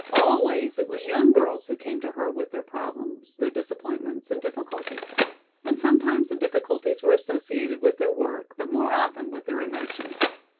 Always it was young girls who came to her with their problems, their disappointments and difficulties. And sometimes the difficulties were associated with their work, but more often with their emotions.